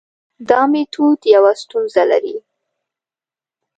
دا میتود یوه ستونزه لري.